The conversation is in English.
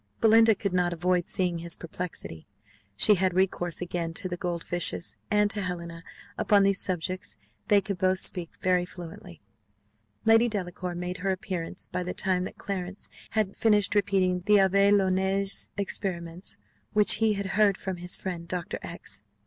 Belinda could not avoid seeing his perplexity she had recourse again to the gold fishes and to Helena: upon these subjects they could both speak very fluently. Lady Delacour made her appearance by the time that Clarence had finished repeating the Abbé Nollet's experiments, which he had heard from his friend Doctor X